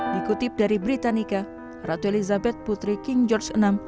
dikutip dari britannica ratu elizabeth putri king george vi